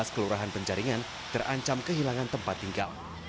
kelurahan penjaringan terancam kehilangan tempat tinggal